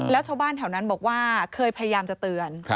แล้วชาวบ้านแถวนั้นบอกว่าเคยพยายามจะเตือน